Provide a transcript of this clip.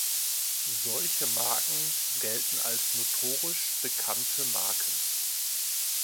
Solche Marken gelten als notorisch bekannte Marken.